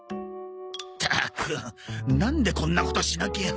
ったくなんでこんなことしなきゃ。